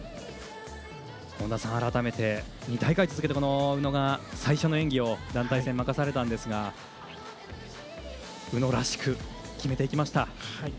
本田さん、改めて２大会続けて宇野が最初の演技を団体戦任されたんですが宇野らしく決めていきました。